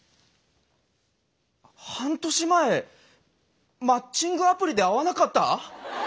半年前マッチングアプリで会わなかった？